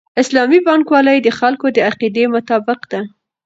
اسلامي بانکوالي د خلکو د عقیدې مطابق ده.